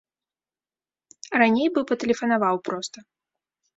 Раней бы патэлефанаваў проста.